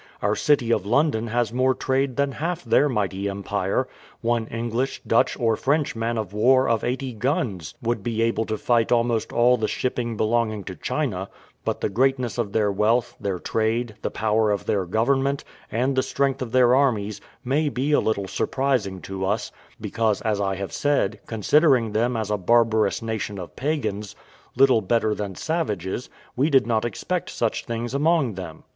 Our city of London has more trade than half their mighty empire: one English, Dutch, or French man of war of eighty guns would be able to fight almost all the shipping belonging to China: but the greatness of their wealth, their trade, the power of their government, and the strength of their armies, may be a little surprising to us, because, as I have said, considering them as a barbarous nation of pagans, little better than savages, we did not expect such things among them.